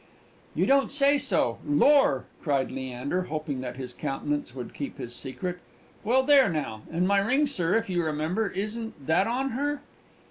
"You don't say so! Lor!" cried Leander, hoping that his countenance would keep his secret, "well, there now! And my ring, sir, if you remember isn't that on her?"